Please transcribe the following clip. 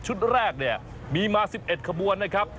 แรกเนี่ยมีมา๑๑ขบวนนะครับ